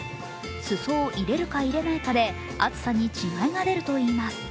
裾を入れるか入れないかで暑さに違いが出るといいます。